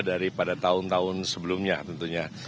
daripada tahun tahun sebelumnya tentunya